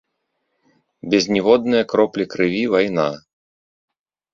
Без ніводнае кроплі крыві вайна!